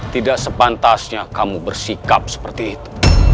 tidak sepantasnya kamu bersikap seperti itu